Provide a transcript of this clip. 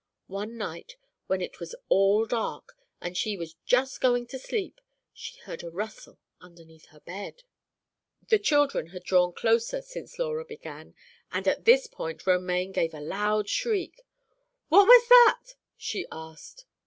One night, when it was all dark and she was just going to sleep, she heard a rustle underneath her bed." The children had drawn closer together since Laura began, and at this point Romaine gave a loud shriek. "What was that?" she asked.